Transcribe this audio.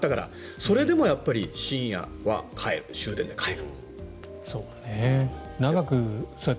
それでも深夜は帰る終電で帰る。